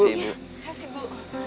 terima kasih bu